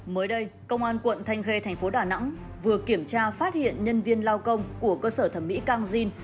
mới đây công an quận thanh khê thành phố đà nẵng vừa kiểm tra phát hiện nhân viên lao công của cơ sở thẩm mỹ cang jin